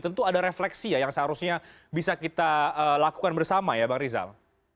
tentu ada refleksi ya yang seharusnya bisa kita lakukan bersama ya bang rizal